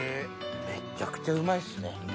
めちゃくちゃうまいっすね。